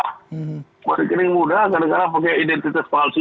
buat rekening mudah karena karena pakai identitas palsu